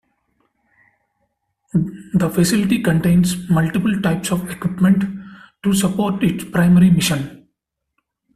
The facility contains multiple types of equipment to support its primary mission.